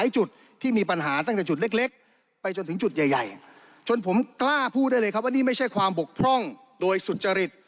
จุดใหญ่จนผมกล้าพูดได้เลยครับว่านี่ไม่ใช่ความบกพร่องโดยสุจริต